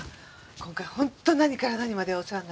今回本当何から何までお世話になりました。